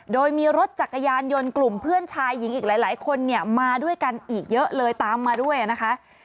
โดยมีรถจักรยานยนต์กลุ่มเพื่อนชายหญิงอีกหลายคนเนี่ยมาด้วยกันอีกเยอะเลยตามมาด้วยนะคะ